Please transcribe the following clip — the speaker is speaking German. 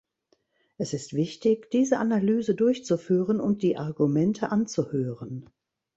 Es ist wichtig, diese Analyse durchzuführen und die Argumente anzuhören.